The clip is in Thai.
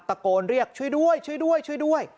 ตะโกนเรียกช่วยด้วยช่วยด้วยช่วยด้วย